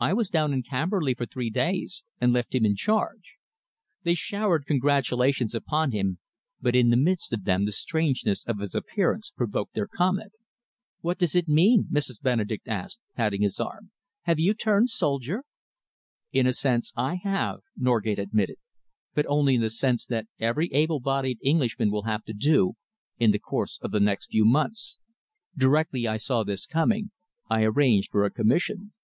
I was down in Camberley for three days and left him in charge." They showered congratulations upon him, but in the midst of them the strangeness of his appearance provoked their comment. "What does it mean?" Mrs. Benedek asked, patting his arm. "Have you turned soldier?" "In a sense I have," Norgate admitted, "but only in the sense that every able bodied Englishman will have to do, in the course of the next few months. Directly I saw this coming, I arranged for a commission."